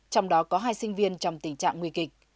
trong đó có hai sinh viên trong tình trạng nguy kịch